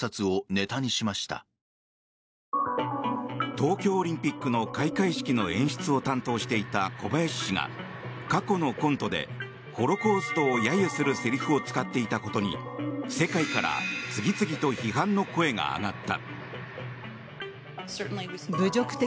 東京オリンピックの開会式の演出を担当していた小林氏が過去のコントでホロコーストを揶揄するせりふを使っていたことに、世界から次々と批判の声が上がった。